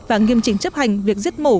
và nghiêm trình chấp hành việc giết mổ